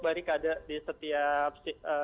barikade di setiap